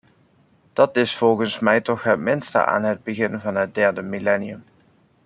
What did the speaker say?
Dat is volgens mij toch het minste aan het begin van het derde millennium.